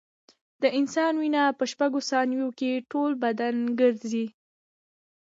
د انسان وینه په شپږو ثانیو کې ټول بدن ګرځي.